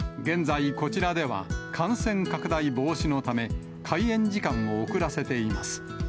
現在、こちらでは感染拡大防止のため、開園時間を遅らせています。